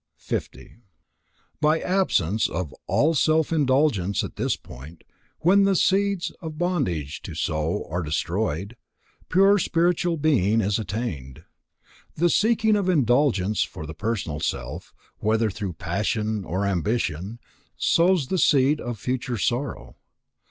50. By absence of all self indulgence at this point, when the seeds of bondage to sorrow are destroyed, pure spiritual being is attained. The seeking of indulgence for the personal self, whether through passion or ambition, sows the seed of future sorrow.